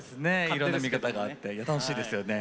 いろんな見方があって楽しいですよね。